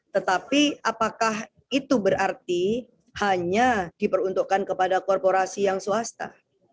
tetapi apakah itu berarti hanya diperuntukkan kepada korporasi yang swasta